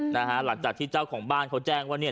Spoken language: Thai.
หลังจากที่เจ้าของบ้านเขาแจ้งว่าเนี่ย